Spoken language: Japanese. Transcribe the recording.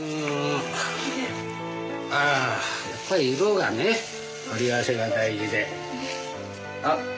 あやっぱり色がね組み合わせが大事で。